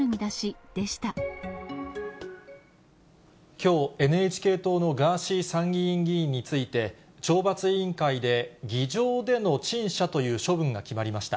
きょう、ＮＨＫ党のガーシー参議院議員について、懲罰委員会で議場での陳謝という処分が決まりました。